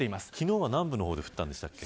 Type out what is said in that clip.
昨日は南部で降ったんでしたっけ。